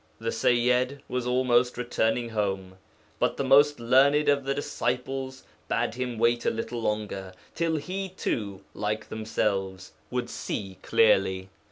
The Sayyid was almost returning home, but the most learned of the disciples bade him wait a little longer, till he too, like themselves, would see clearly.